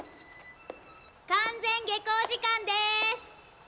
完全下校時間です。